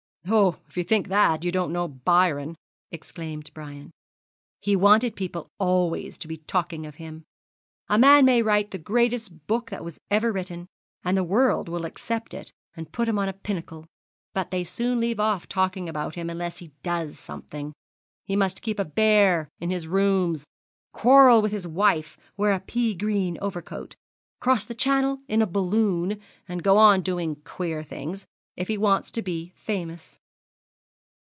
'Oh, if you think that, you don't know Byron,' exclaimed Brian. 'He wanted people always to be talking of him. A man may write the greatest book that was ever written, and the world will accept it, and put him on a pinnacle; but they soon leave off talking about him unless he does something. He must keep a bear in his rooms quarrel with his wife wear a pea green overcoat cross the Channel in a balloon and go on doing queer things if he wants to be famous.